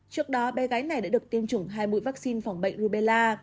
trước đó bé gái này đã được tiêm chủng hai mũi vaccine phòng bệnh rubella